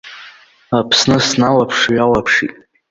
Аԥсны сналаԥш-ҩалаԥшит.